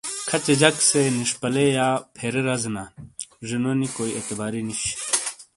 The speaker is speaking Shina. کھچے جک سے نشپالے/فیرے رزے نا زنونی کوئی اعتباری نوش۔